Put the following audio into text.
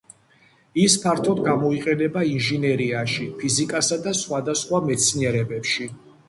ის ფართოდ გამოიყენება ინჟინერიაში, ფიზიკასა და სხვადასხვა მეცნიერებებში.